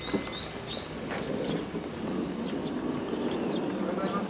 おはようございます。